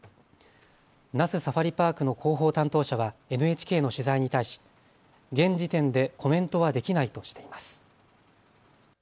那須サファリパークの広報担当者はＮＨＫの取材に対し現時点でコメントはできないとしています。